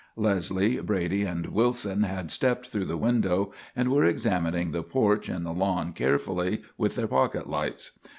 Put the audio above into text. Leslie, Brady, and Wilson had stepped through the window and were examining the porch and the lawn carefully with their pocket lights.